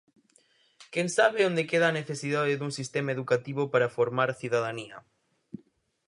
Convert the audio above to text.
¿Quen sabe onde queda a necesidade dun sistema educativo para formar cidadanía?